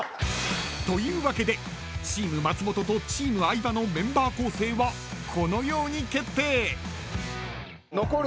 ［というわけでチーム松本とチーム相葉のメンバー構成はこのように決定］